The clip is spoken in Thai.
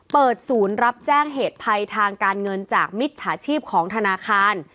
เปิดศูนย์รับแจ้งเหตุภัยทางการเงินจากมิจฉาชีพของธนาคาร